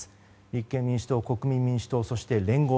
立憲民主党、国民民主党そして連合